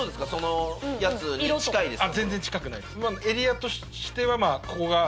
エリアとしてはここが。